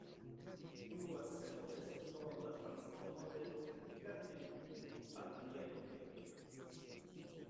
Unua celo estas do la transdono de termika energio al aliaj objektoj.